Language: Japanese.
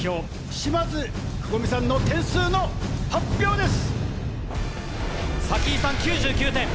島津心美さんの点数の発表です！